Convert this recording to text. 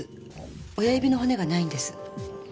親指の骨がないんです。